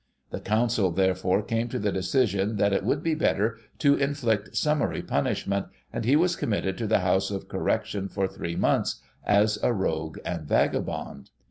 The Council, therefore, came to the decision that it would be better to inflict summary punishment, and he was committed to the House of Correction for three months, as a rogue and vagabond.